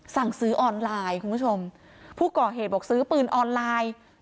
สั่งซื้อออนไลน์คุณผู้ชมผู้ก่อเหตุบอกซื้อปืนออนไลน์